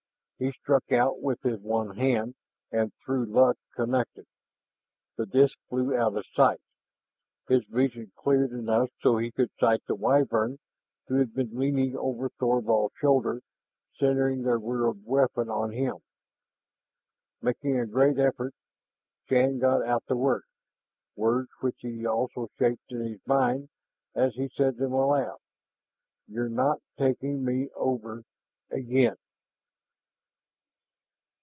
He struck out with his one hand, and through luck connected. The disk flew out of sight. His vision cleared enough so he could sight the Wyvern who had been leaning over Thorvald's shoulder centering her weird weapon on him. Making a great effort, Shann got out the words, words which he also shaped in his mind as he said them aloud: "You're not taking me over again!"